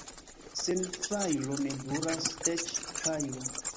Sen fajro ne brulas eĉ pajlo.